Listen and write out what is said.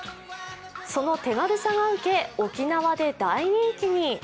その手軽さがウケ、沖縄で大人気に。